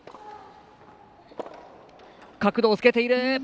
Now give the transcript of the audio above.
角度をつけている。